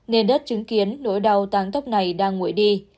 nên đất chứng kiến nỗi đau tán tóc này đang nguội đi